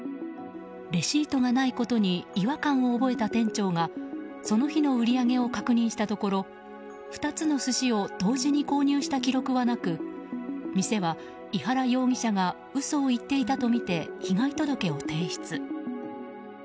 レシートがないことに違和感を覚えた店長がその日の売り上げを確認したところ、２つの寿司を同時に購入した記録はなく店は井原容疑者が嘘を言っていたとみて被害届を提出。